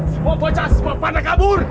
semua bocah semua pandang kabur